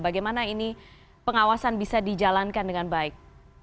bagaimana ini pengawasan bisa dijalankan dengan baik